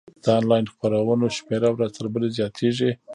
د انلاین خپرونو شمېره ورځ تر بلې زیاتیږي.